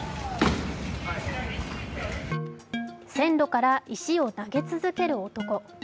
線路から石を投げ続ける男。